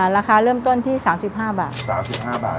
ราคาเริ่มต้นที่๓๕บาท๓๕บาท